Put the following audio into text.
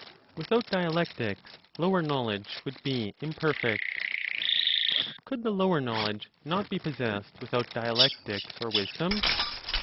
WITHOUT DIALECTICS LOWER KNOWLEDGE WOULD BE IMPERFECT. Could the lower knowledge not be possessed without dialectics or wisdom?